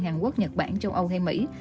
hàn quốc nhật bản châu âu hay mỹ